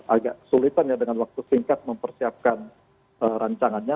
agak kesulitan ya dengan waktu singkat mempersiapkan rancangannya